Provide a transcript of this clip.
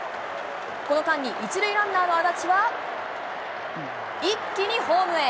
この間に１塁ランナーの安達は一気にホームへ。